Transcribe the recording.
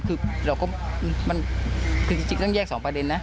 คือคือก็กี่จริงต้องแยก๒ประเด็นนะ